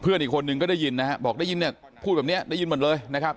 อีกคนนึงก็ได้ยินนะฮะบอกได้ยินเนี่ยพูดแบบนี้ได้ยินหมดเลยนะครับ